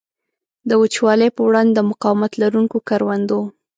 د وچوالي په وړاندې د مقاومت لرونکو کروندو.